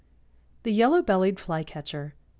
THE YELLOW BELLIED FLYCATCHER.